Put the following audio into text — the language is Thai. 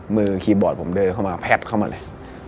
คีย์บอร์ดผมเดินเข้ามาแพบเข้ามาเลย